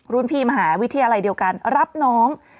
รุ่นพี่มหาวิทยาลัยเดียวกันรับน้อง